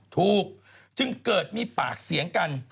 ถูกจึงเกิดมีปากเสียงกัน